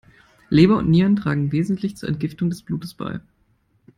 Leber und Nieren tragen wesentlich zur Entgiftung des Blutes bei.